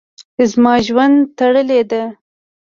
زما ژوند تړلی ده.